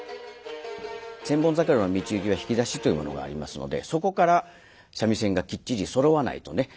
「千本桜」の「道行」は弾き出しというものがありますのでそこから三味線がきっちりそろわないとね